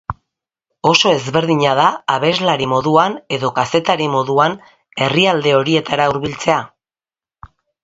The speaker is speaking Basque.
Oso ezberdina da abeslari moduan edo kazetari moduan herrialde horietara hurbiltzea?